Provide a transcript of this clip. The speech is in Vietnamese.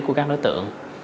của các đối tượng